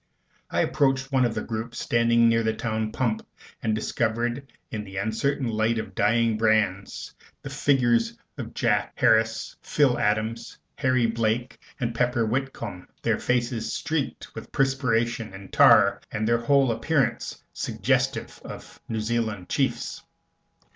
I approached one of the groups standing near the town pump, and discovered in the uncertain light of the dying brands the figures of Jack Harris, Phil Adams, Harry Blake, and Pepper Whitcomb, their faces streaked with perspiration and tar, and, their whole appearance suggestive of New Zealand chiefs.